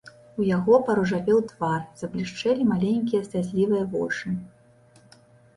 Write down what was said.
У яго паружавеў твар, заблішчэлі маленькія слязлівыя вочы.